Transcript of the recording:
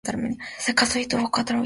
Se casó y tuvo cuatro hijos.